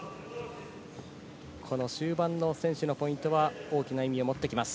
この終盤の選手のポイントは大きな意味を持ってきます。